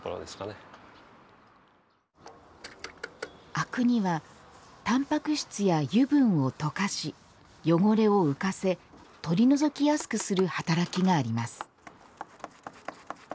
灰汁にはタンパク質や油分を溶かし汚れを浮かせ取り除きやすくする働きがあります